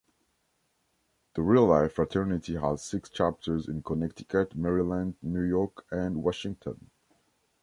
The real life fraternity has six chapters in Connecticut, Maryland, New York, and Washington.